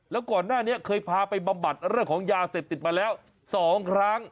แล้วก่อนหน้านี้เคยพาไปบำบัดเรื่องของยาเสพติดมาแล้ว๒ครั้ง